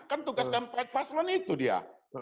kan tugas keempat paslon itu dia